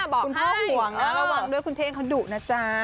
คุณพ่อห่วงนะระวังด้วยคุณเท่งเขาดุนะจ๊ะ